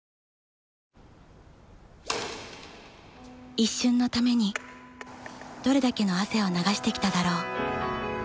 一瞬のためにどれだけの汗を流してきただろう